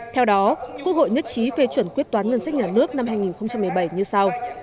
theo đó quốc hội nhất trí phê chuẩn quyết toán ngân sách nhà nước năm hai nghìn một mươi bảy như sau